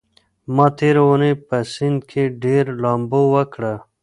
ما تېره اونۍ په سيند کې ډېره لامبو وکړه.